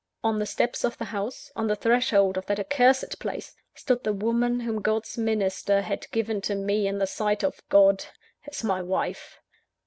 On the steps of the house, on the threshold of that accursed place, stood the woman whom God's minister had given to me in the sight of God, as my wife.